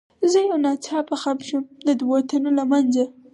زه یو ناڅاپه خم شوم، د دوو تنو له منځه.